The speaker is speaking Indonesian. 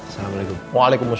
saya pamit mau ke kantor